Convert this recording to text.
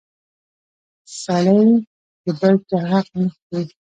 سړی د بل چا حق نه خوري!